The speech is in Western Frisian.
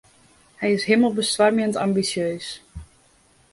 Hy is himelbestoarmjend ambisjeus.